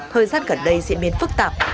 thời gian gần đây diễn biến phức tạp